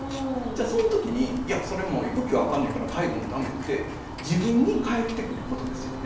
その時に育休あかんねんから介護も駄目って自分に返ってくることですよね。